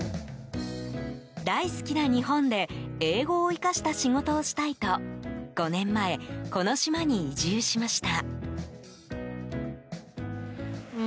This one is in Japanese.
大好きな日本で英語を生かした仕事をしたいと５年前、この島に移住しました。